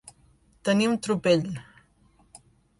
Tenir un tropell.